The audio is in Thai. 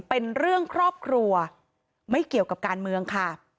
เป็นเรื่องครอบครัวไม่เกี่ยวกับการเมืองค่ะ